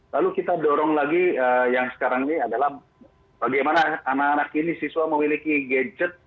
lalu kita dorong lagi yang sekarang ini adalah bagaimana anak anak ini siswa memiliki gadget